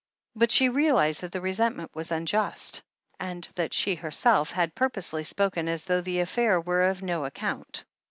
But she realized that the resentment was unjust, and that she herself had purposely spoken as though the affair were of no ac cotmt.